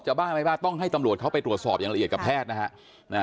บ้าไม่บ้าต้องให้ตำรวจเขาไปตรวจสอบอย่างละเอียดกับแพทย์นะฮะ